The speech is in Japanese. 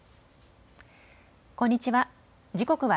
こんにちは。